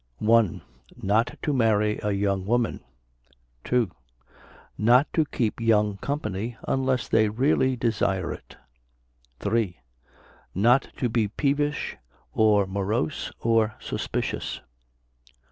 1. Not to marry a young woman. 2. Not to keep young company, unless they really desire it. 3. Not to be peevish, or morose, or suspicious.